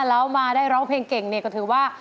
เรามาได้ร้องเพลงเก่งก็ถือว่า